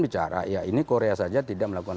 bicara ya ini korea saja tidak melakukan